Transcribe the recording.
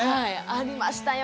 ありましたよ